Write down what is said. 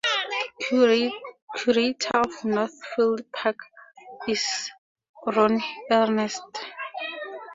Curator of Northfield Park Arboretum is Ron Ernst.